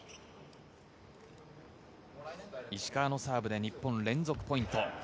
石川のサーブで日本、連続ポイント。